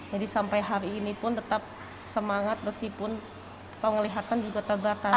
jadi sampai hari ini pun tetap semangat meskipun penglihatan juga terbatas